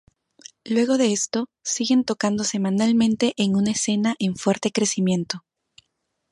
Luego de esto, siguen tocando semanalmente en una escena en fuerte crecimiento.